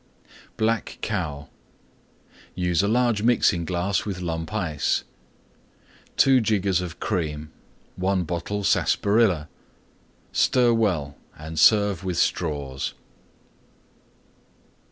BLACK COW Use a large Mixing glass with Lump Ice. 2 jiggers of Cream. 1 bottle Sarsaparilla. Stir well and serve with Straws.